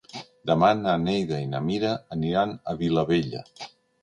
Demà na Neida i na Mira aniran a la Vilavella.